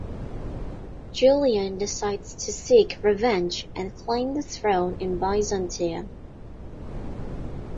Julian decides to seek revenge and claim the throne in Byzantium.